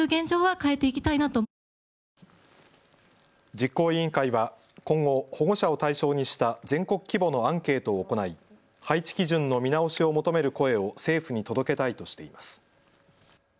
実行委員会は今後、保護者を対象にした全国規模のアンケートを行い配置基準の見直しを求める声を政府に届けたいとしています。